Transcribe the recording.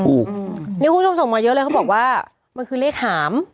คุณผู้ชมนี่คุณผู้ชมส่งมาเยอะเลยเขาบอกว่ามันคือเลขหาม